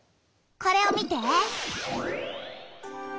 これを見て！